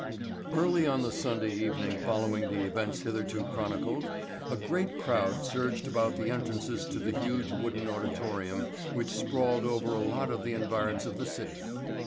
Early on the Sunday evening following the events hitherto chronicled a great crowd surged about the entrances to the huge wooden auditorium which sprawled over a lot in the environs of the city.